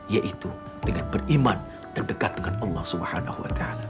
yaitu dengan beriman dan dekat dengan allah swt